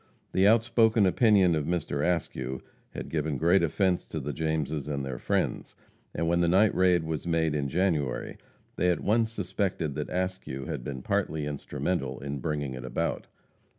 The outspoken opinion of Mr. Askew had given great offense to the Jameses and their friends, and when the night raid was made in January they at once suspected that Askew had been partly instrumental in bringing it about.